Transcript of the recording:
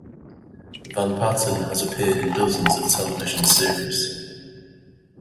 Van Patten has appeared in dozens of television series.